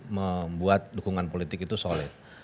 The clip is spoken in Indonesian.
membuat dukungan politik itu solid